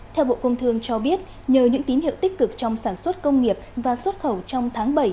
theo bộ công thương cho biết nhờ những tín hiệu tích cực trong sản xuất công nghiệp và xuất khẩu trong tháng bảy